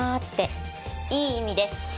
いい意味です。